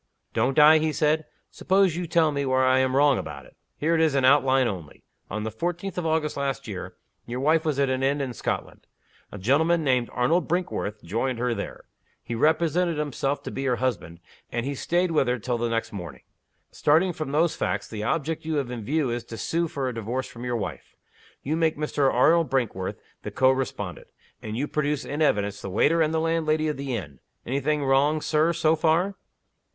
"Don't I?" he said. "Suppose you tell me where I am wrong about it? Here it is in outline only. On the fourteenth of August last your wife was at an inn in Scotland. A gentleman named Arnold Brinkworth joined her there. He represented himself to be her husband, and he staid with her till the next morning. Starting from those facts, the object you have in view is to sue for a Divorce from your wife. You make Mr. Arnold Brinkworth the co respondent. And you produce in evidence the waiter and the landlady of the inn. Any thing wrong, Sir, so far?"